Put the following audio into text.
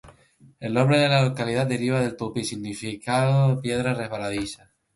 El nombre de la localidad deriva del tupí, significando "piedra resbaladiza".